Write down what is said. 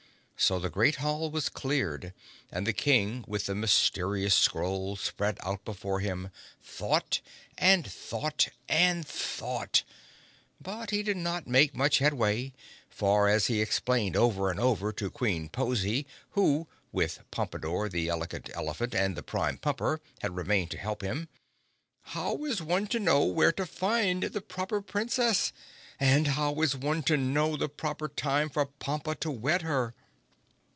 So the great hall was cleared and the King, with the mysterious scroll spread out before him, thought and thought and thought. But he did not make much headway, for, as he explained over and over to Queen Pozy, who—with Pompadore, the Elegant Elephant and the Prime Pumper—had remained to help him, "How is one to know where to find the Proper Princess, and how is one to know the proper time for Pompa to wed her?"